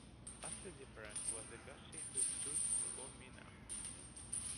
Vastly different was the Gussie who stood before me now.